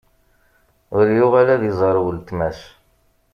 Ur yuɣal ad iẓer uletma-s.